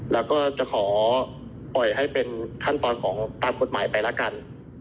แล้วก็จะขอปล่อยให้เป็นขั้นตอนของตามกฎหมายไปละกัน